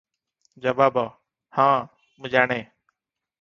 ଜବାବ - ହଁ, ମୁଁ ଜାଣେ ।